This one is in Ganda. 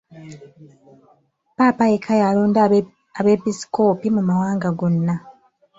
Ppaapa yekka y'alonda abeepiskoopi mu mawanga gonna.